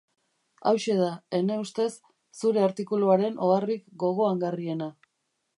Hauxe da, ene ustez, zure artikuluaren oharrik gogoangarriena.